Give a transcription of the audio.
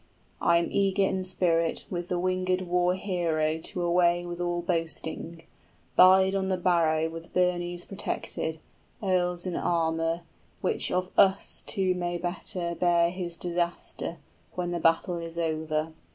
I am eager in spirit, With the wingèd war hero to away with all boasting. Bide on the barrow with burnies protected, {Wait ye here till the battle is over.} Earls in armor, which of us two may better Bear his disaster, when the battle is over.